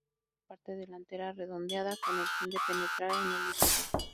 Tiene una parte delantera redondeada con el fin de penetrar en el suelo.